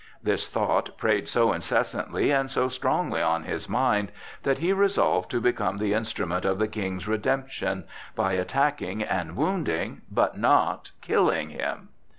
This thought preyed so incessantly and so strongly on his mind that he resolved to become the instrument of the King's redemption, by attacking and wounding, but not killing him.